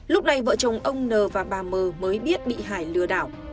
lúc này vợ chồng ông n và bà mờ mới biết bị hải lừa đảo